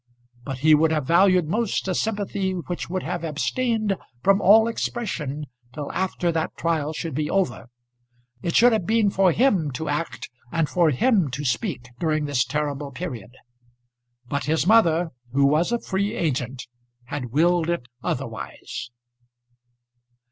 But he would have valued most a sympathy which would have abstained from all expression till after that trial should be over. It should have been for him to act and for him to speak during this terrible period. But his mother who was a free agent had willed it otherwise.